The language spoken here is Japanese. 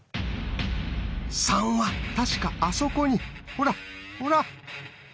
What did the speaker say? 「３」は確かあそこにほらほら！